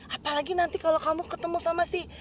apalagi nanti kalau kamu ketemu sama si